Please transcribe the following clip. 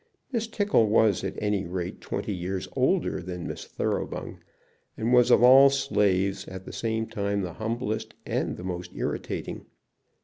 Miss Tickle was at any rate twenty years older than Miss Thoroughbung, and was of all slaves at the same time the humblest and the most irritating.